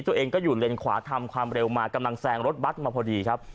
ตัวเองก็อยู่เลนขวาทำความเร็วมากำลังแซงรถบัตรมาพอดีครับ